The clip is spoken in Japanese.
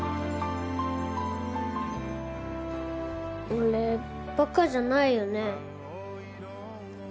俺馬鹿じゃないよね？